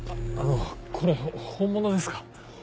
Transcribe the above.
ああのこれ本物ですか？